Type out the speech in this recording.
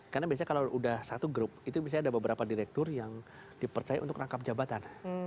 karena biasanya kalau sudah satu grup itu misalnya ada beberapa direktur yang dipercaya untuk rangkap jabatan